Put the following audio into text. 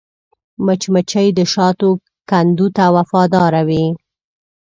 مچمچۍ د شاتو کندو ته وفاداره وي